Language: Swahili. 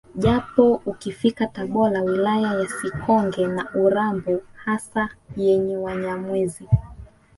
Japo ukifika Tabora wilaya ya Sikonge na Urambo hasa yenye Wanyamwezi